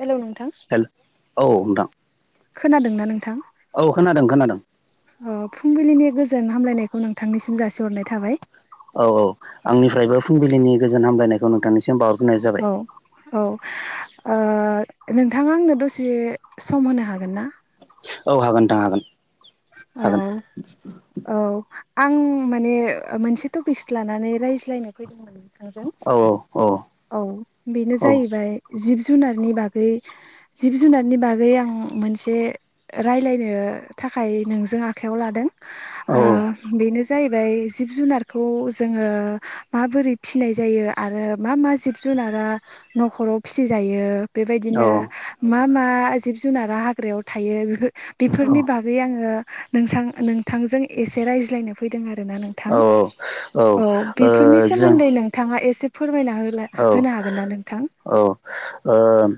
Hello नोंथां हेल औ नोंथां खोनादों ना नोंथां औ खोनादों खोनादों। अ फुंबिलिनि गोजोन हामलायनायखौ नोंथांनिसिम जासिहरनाय थाबाय औ औ आंनिफ्रायबो फुंबिलिनि गोजोन हामलायनायखौ नोंथांनिसिम बावहरबाय औ औ नोंथाङा आंनो दसे सम होनो हागोन ना? औ हागोन नोंथां हागोन। औ औ आं माने मोनसे टपिक्स लानानै रायज्लायनो फैदोंमोन। हागोन औ औ औ बेनो औ जाहैबाय जिब जुनारनि बागै जिब जुनारनि बागै आं मोनसे राय्लायनो थाखाय नोंजों आखायाव लादों। औ बेनो जाहैबाय जिब जुनारखौ जोङो माबोरै फिसिनाय जायो आरो मा मा जिब जुनार जुनारा न'खराव फिसिजायो। औ बेबायदिनो मा मा जिब जुनारा हाग्रायाव थायो। बिफोर बेफोरनि बागै नोंथांजों एसे रायज्लायनो फैदों आरो। नोंथां औ औ बेनि ओ जों सोमोन्दै नोंथाङा फोरमायना औ होनो हागोन ना नोंथां? औ ओ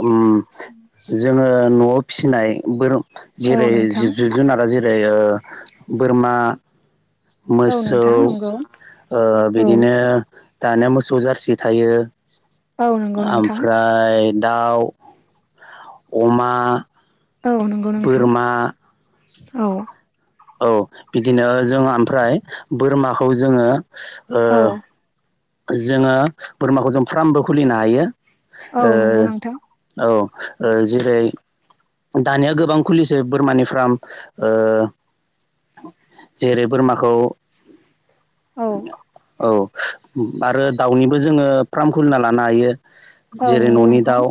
उम जोङो [unintelligible] न'आव फिसिनाय बोर औ जेरै नोंथां जिब जुनारा जेरै ओ बोरमा औ मोसौ नोंथां नंगौ औ बिदिनो दानिया मोसौ जारसि थायो। औ नंगौ नोंथां ओमफ्राय दाउ अमा औ नंगौ नोंथां बोरमा औ औ बिदिनो जों ओमफ्राय बोरमाखौ जोङो ओ औ जोङो बोरमाखौ जों फ्रामबो खुलिनो हायो। औ ओ नंगौ नोंथां औ ओ जेरै दानिया गोबां खुलिसै बोरमानि फ्राम ओ जेरै बोरमाखौ औ औ आरो दाउनिबो जोङो फ्राम खुलिना लानो हायो। औ जेरै नंगौ न'नि नोंथां दाउ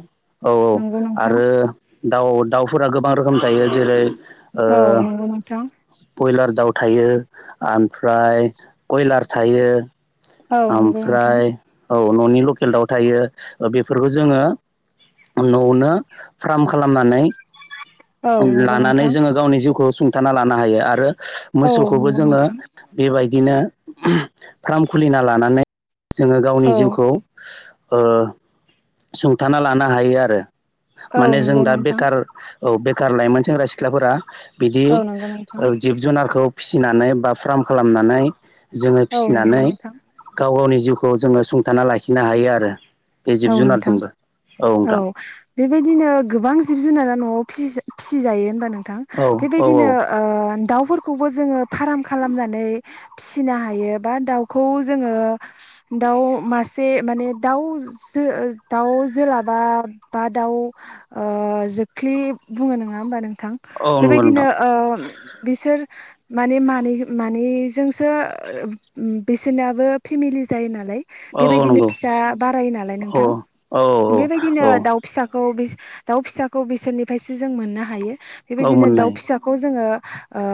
औ औ नंगौ नोंथां आरो दाउ दाउफोरा गोबां रोखोमनि थायो। जेरै ओ औ नंगौ नोंथां बयलार दाउ थायो, आमफ्राय कयलार थायो औ नंगौ नोंथां ओमफ्राय औ न'नि लकेल दाउ थायो बेफोरखौ जोङो नौनो फ्राम खालामनानै औ नंगौ लानानै नोंथां जोङो गावनि जिउखौ सुंथाना लानो हायो आरो। औ मोसौखौबो नंगौ जोङो नोंथां बेबायदिनो [unintelligible] फ्राम खुलिना लानानै जोङो गावनि औ जिउखौ ओ सुंथाना लानो हायो आरो। औ माने जों नंगौ दा नोंथां बेकार औ बेखार लाइमोन सेंग्रा सिख्लाफोरा बिदि औ नंगौ नोंथां जिब-जुनारखौ फिसिनानै बा फ्राम खालामनानै जोङो औ नंगौ फिसिनानै नोंथां गाव गावनि जिउखौ जोङो सुंथाना लाखिनो हायो आरो। बे जिब औ नोंथां जुनारजोंबो औ बेबायदिनो गोबां जिब-जुनारा न'आव फिसि फिसिजायो होनबा नोंथां औ औ बेबायदिनो ओ दाउ फोरखौबो जोङो फारार् खालामनानै फिसिनो हायो बा दाउखौ जोङो दाउ मासे माने दाउ जो ओ दाउ जोलाबा बा दाउ ओ जोख्लि बुङो नङा होमबा नों औ नंगौ बेबायदिनो नोंथां ओ बिसोर माने मानै मानैजोंसो बिसोरनाबो फिमिलि जायो नालाय औ औ बेबायदिनो नंगौ फिसा बारायो नालाय औ नोंथां औ बेबायदिनो औ दाउ फिसा खौ बिस दाउ फिसाखौ बिसोनिफायसो जों मोननो हायो औ बेबायदिनो मोननो दाउ हायो फिसाखौ जोङो ओ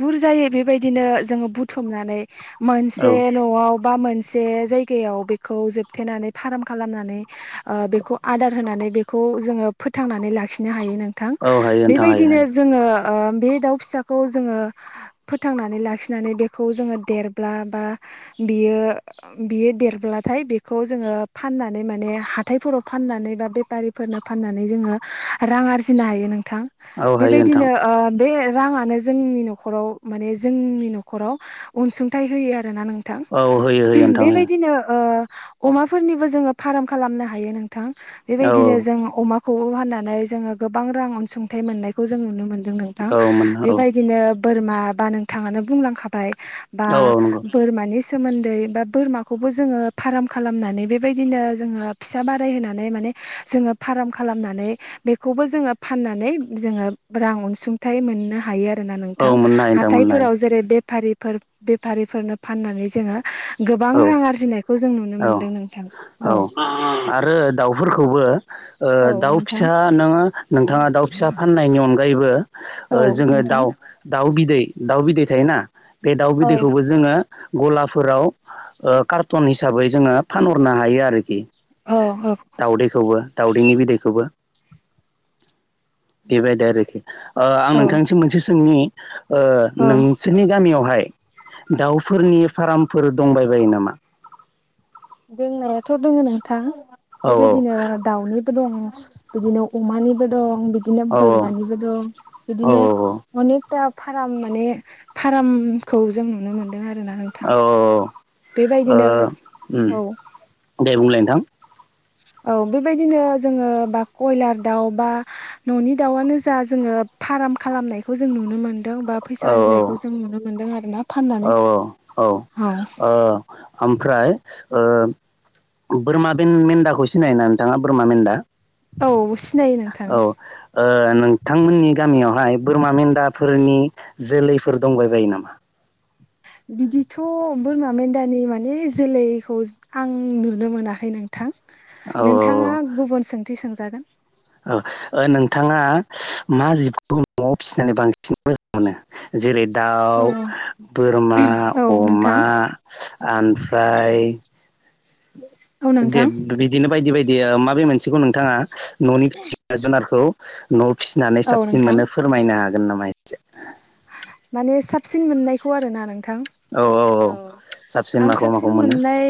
बुरजायै बेबायदिनो जोङो बुथुमनानै मोनसे न'वाव बा मोनसे जायगायाव बेखौ जोबथेनानै फार्म खालामनानै ओ बेखौ आदार होनानै बेखौ जोङो फोथांनानै लाखिनो हायो नो थां औ हायो नोंथां हायो बेबायदिनो हायो जोङो ओ बे दाउ फिसाखौ जोङो फोथांनानै लाखिनानै बेखौ जोङो देरब्ला बा बियो बियो देरब्लाथाय बेखौ जोङो फाननानै माने हाथायफोराव फाननानै बा बेपारिफोरनो फाननानै जोङो रां आरजिनो हायो नों औ हायो नोंथां बेबायदिनो ओ बे राङानो जोंनि न'खराव माने जोंनि न'खराव अनसुंथाइ होयो आरो। रोना नोंथां औ होयो होयो [unintelligible] नोंथां होयो बेबायदनो ओ अमा फोरनिबो जोङो फाराम खालामनो हायो। नोंथां औ औ बेबायदिनो जों अमा खौबो फाननानै जोङो गोबां रां अनसुंथाइ मोननायखौ जों नुनो मोनो। नोंथां औ मोननो औ बेबायदिनो बोरमा बा नोंथाङानो बुंलांखाबाय बा औ औ नंगौ औ बोरमानि सोमोनदै बा बोरमाखौबो जोङो फार्म खालामनानै बेबायदिनो जोङो फिसा बारायहोनानै माने जोङो फाराम खालामनानै बेखौबो जोङो फाननानै जोङो रां अनसुंथाइ मोननो हायो आ ना नोंथां मोननो हायो नोंथां मोननो हायो औ हाथायफोराव जेरै बेफारिफोर बेफारिफोरनो फाननानै जोङो गोबां रां आरजिनायखौ जों नुनो औ मोनदों नों औ आरो दाउफोरखौबो ओ औ दाउ नोंथां फिसा नोङो नोंथाङा दाउ फिसा फाननायनि अनगायैबो औ ओ जोङो नोंथां दाउ दाउ बिदै दाउ बिदै थायोना बे दाउ औ बिदैखौबो जोङो ग'लाफोराव ओ कार्टन हिसाबै हिसाबै जोङो फानहरनो हायो आरोखि औ औ दाउदैखौबो दाउदैनि बिदैखौबो बेबायदि आरोखि ओ आं नोंथांनिसम मोनसे सोंनि ओ औ नोंसोरनि गामियावहाय दाउफोरनि फार्मफोर दंबाय बायो नामा दोंनायाथ दोङ नोंथां औ बेबायदिनो दाउनि दङ बिदिनो अमानिबो दं बिदिनो औ बोरमानिबो दं औ बिदिनो अनेकथा फार्म माने फार्मखौ जों नुनो मोनो आरोना औ नोंथां औ औ बेबायदिनो ओ औ दे बुंलाय नोंथां औ बेबायदिनो जोङो बा कयलार दाउ बा न'नि दाउआनो जा जोङो फार्म खालामनायखौ जों नुनो मोनो बा औ फैसा आरजिनायखौ जों नुनो मोन्दों आरोना फाननानै औ औ ओ ओमफ्राय बोरमा बे मेन्दाखौ सिनायोना नोंथाङा बोरमा मेन्दा औ सिनायो नोंथां औ नोंथांमोननि गामियावहाय बोरमा मेन्दा फोरनि जोलैफोर दंबाय बायो नामा बिदिथ बोरमा मेन्दानि माने जोलैखौ आं नुनो मोनाखै नोंथां औ नोंथाङा औ गुबुन सोंथि सोंजागोन औ नोंथाङा मा जिबखौ न'आव फिसिनानै बांसिन मोजां मोनो जेरै दाउ औ बोरमा औ अमा ओमफ्राय दे नोंथां बिदिनो बायदि बायदि माबे मोनसेखौ नोंथाङा न'नि सिब जुनारखौ न'वाव फिसिनानै औ साबसिन नोंथां मोनो फोरमायनो हागोन नामा एसे माने साबसिन मोननायखौ आरोना नों नोंथां औ आं माखौ साबसिन माखौ मोनो मोननाय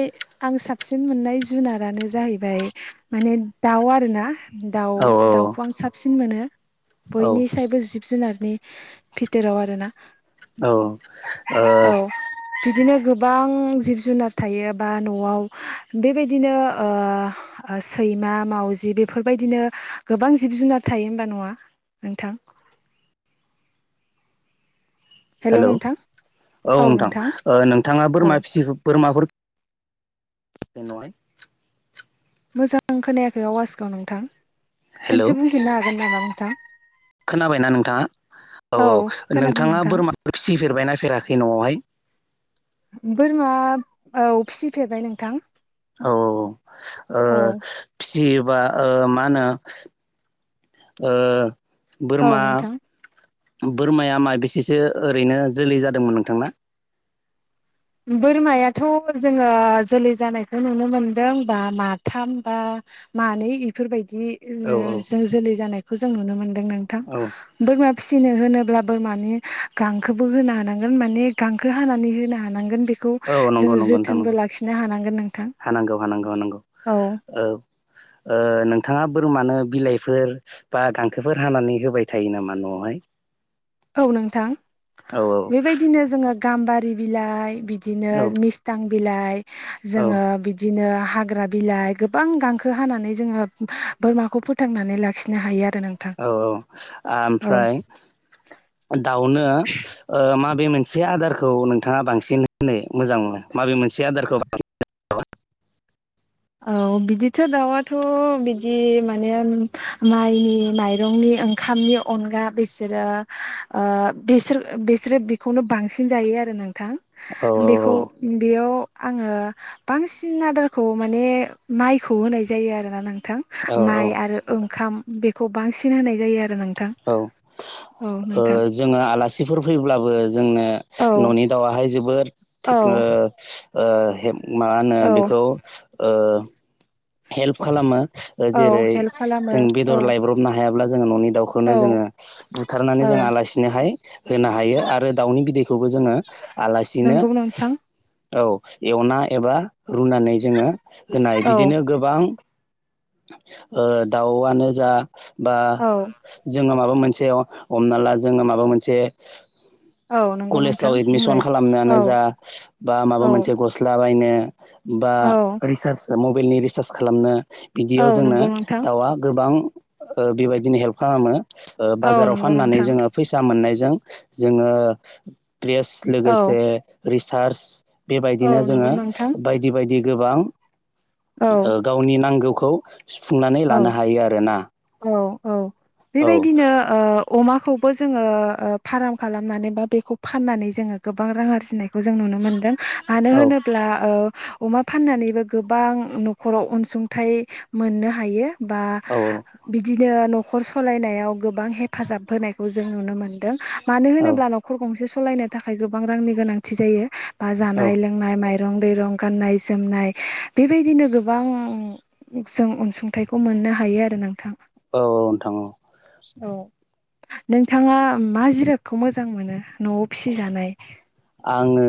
आं साबसिन मोननाय जुनारानो जाहैबाय माने दाउ आरोना दाउ औ दाउखौ आं साबसिन मोनो औ बयनिस्रायबो जिब जुनारनि भिथोराव आरो ना औ ओ बिदिनो गोबां जिब जुनार थायो बा न'वाव बेबायदिनो सैमा मावजि बेफोरबायदिनो गोबां जिब जुनार थायो होमबा नङा नोंथां हेलौ औ नोंथां नोंथाङा औ बोरमा फिसि बोरमाफोर नोनावहाय मोजां खोनायाखै आवाजखौाव नोंथां हेलौ खनसे बुंहिनो हागोन नामा नोंथां खोनाबायना नोंथाङा औ औ खोनादों नोंथाङा नोंथां बोरमा फिसिफेरबाय नायफेराखै न'वावहाय बोरमा औ फिसिफेरबाय नोंथां औ औ ओ औ जेनेबा ओ मा होनो औ बोरमा नोंथां बोरमाया माबेसेसो ओरैनो जोलै जादोंमोन नोंथांना बोरमायाथ जोहख जोलै जानायखौ नुनो मोनदों बा माथाम बा मानै इफोरबायदि औ जोलै जानायखौ जों नुनो मोनदों नोंथां औ बोरमा फिसिनो होनो होनोब्ला बोरमानो गांखोबो होनो हानांगोन माने गांखो हानानै होनो हानांगोन बेखौ औ नंगौ जोंङ नंगौ नोंथां नंगौ जोथोनबो लाखिनो हानांगोन नोंथां हानांगौ हानांगौ हानांगौ औ औ नोंथाङा बोरमानो बिलाइफोर बा गांखोफोर हानानै होबाय थायो नामा न'आवहाय औ नोंथां औ औ बेबायदिनो जोङो गाम्बारि बिलाइ बि बिदिनो औ मिस्थां बिलाइ औ जोङो बिदिनो हाग्रा बिलाइ गोबां गांखो हानानै जोङो बोरमाखौ फोथांनानै लाखिनो हायो आरो नोंथां औ औ औ। आओमफ्राय दाउनो ओ माब मोनसे आदारखौ नोंथाङा बांसिन होनो मोजां मोनो माबे मोनसे आदारखौ बांसिन औ बिदिथ' दाउआथ' बिदि माने ओम माइनि माइरंनि ओंखामनि अनगा बिसोरो ओ बिसोरो बेखौनो बांसिन जायो आरो ना थां औ बेखौ बेयाव आङो बांसिन आदारखौ माने माइखौ होनाय जायो आरोना नोंथां औ औ माइ आरो ओंखाम बेखौ बांसिन होनाय जायो आरो नों औ ओ जोङो आलासिफोर फैब्लाबो जोंनो औ न'नि दाउाहाय जोबोद थिगन ओ औ ओ मा होनो औ बेखौ ओ हेल्प खालामो ओ जेरै औ हेल्प खालामो जों औ बेदर लायब्रबनो हायाब्ला जोङो न'नि दाउखौनो औ जोङो बुथारनानै औ जों आलासिनोहाय होनो औ हायो आरो दाउनि बिदैखौबो जोङो आलासि नंगौ नोंथां औ एवना एबा रुनानै जोङो होनाय औ बिदि गोबां ओ दाउआनो जा बा औ जोंङो मा [unintelligible] मोनसे हमना ला जोङो माबा मोनसे औ नंगौ कलेजाव नोंथां एडमिसन बुंलाय औ खालामनायानो जा बा माबा औ मोनसे गस्ला बायनो बा औ रिसार्ज मबाइलनि रिसार्ज खालामनो औ बिदियाव जोंनो नंगौ नोंथां दाउआ गोबां ओ बेबायदिनो हेल्प खालामो ओ औ बाजाराव नंगौ फाननानै नोंथां जोङो फैसा मोननायजों जोङो प्रेस औ लोगोसे रिसार्च औ बेबायदिनो नंगौ जोङो नोंथां बायदि बायदि गोबां औ ओ गावनि नांगौखौ सुफुंनानै औ लानो हायो आरोना औ औ औ बेबायदिनो ओ अमा खौबो जोङो ओ फार्म खालामनानै बा बेखौ फाननानै जोङो गोबां रां आरजिनायखौ जों नुनो मोन्दों मानो औ होनोब्ला ओ अमा फाननानैबो गोबां न'खराव अनसुंथाइ मोननो हायो बा औ बिदिनो न' न'खर सालायनायाव गोबां हेफाजाब होनायखौ जों नुनो मोनदों मानो औ होनोब्ला न'खर गंसे सलायनो थाखाय गोबां रांनि गोनांथि जायो बा औ जानाय लोंनाय माइ दं दैरं गाननाय जोमनाय बेबायदिनो गोबां जों अनसुं थायखौ मोननो हायो आरो नोंथां औ औ नोंथां औ औ नोंथाङा मा जिरादखौ मोजां मोनो न'आव फिसिजानाय आङो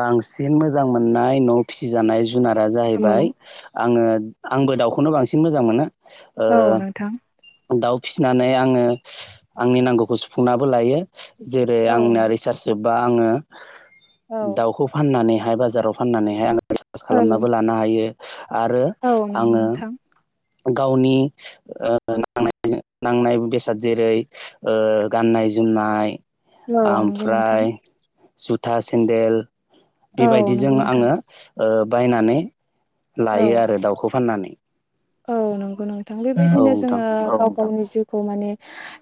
बांसिन मोजां मोननाय न' फिसिजानाय जु जुनारा औ जाहैबाय आङो आंबो दाउखौनो बांसिन मोजां मोनो ओ औ नोंथां दाउ फिसिनानै आङो आंनि नांगौखौ सुफुंनाबो लायो जेरै औ आंना रिसार्च जोब्बा आङो दाउखौ फाननानै हाथाइ बाजाराव फननानैहाय रिचार्स नंगौ खालामनाबो लानो हायो आरो आङो नोंथां गावनि ओ नांनाय नांनाय बेसाद जेरै ओ गाननाय जोमनाय औ नंगौ नोंथां ओमफ्राय जुथा सेन्देल औ बेबायदिजों नंगौ नोंथां आङो ओ बायनानै औ लायो आरो दाउखौ फाननानै औ नंगौ नोंथां औ बेबायदिनो नोंथां जोङो गावनि जिउखौ माने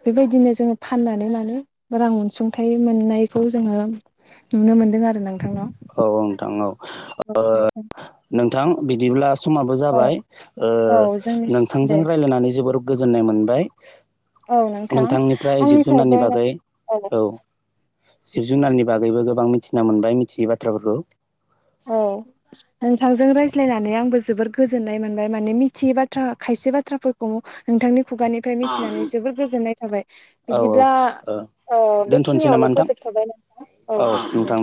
बेबायदिनो जोङो फाननानै माने रां अनसुंथाइ मोननायखौ जोङो नुनो मोनदों आरो ना औ औ नोंथां औ ओ नोंथां बिदिब्ला समाबो औ जाबाय ओ औ जोंनि नोंथांजों दे रायज्लायनानै जोबोर गोजोननाय मोनबाय औ नोंथां नोंथांनिफ्राय आंनिफ्रायबो जिब-जुनारनि बागै औ जिब-जुनारनि बागैबो गोबां मिथिना मोनबाय मिथियै बाथ्राफोरखौ औ नोंथांजों रायज्लायनानै आंबो जोबोद गोजोननाय मोनबाय माने मिथियै बाथ्रा खायसे बाथ्राफोरखौ खौ नोंथांनि खुगानिफ्राय औ मिथिनानै जोबोर गोजोननाय थाबाय औ बिदिब्ला ओ औ दोनथ'नोसै नामा बेखिनियावनो नोंथां फोजोबथ'बाय नामा औ दे